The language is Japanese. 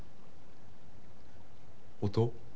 音。